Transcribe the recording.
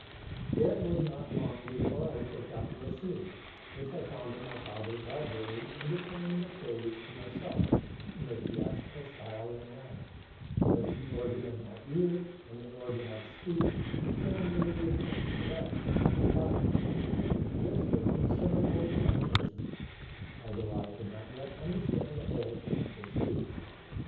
It was not long before I took up Racine, which I found in my father's library, and de claimed the plays to myself, in the theatrical style and manner, as the organ of my ear, and the organ of speech, so nearly akin to that, had caught it, and this with considerable animation ; although I could not yet understand a whole con nected speech.